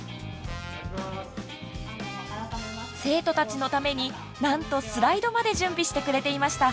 生徒たちのためになんとスライドまで準備してくれていました。